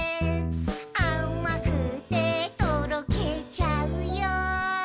「あまくてとろけちゃうよ」